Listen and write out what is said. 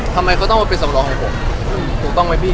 ทำไมเขาต้องมาเป็นสำรองของผมถูกต้องไหมพี่